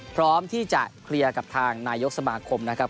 พร้อมที่จะเคลียร์กับทางนายกสมาคมนะครับ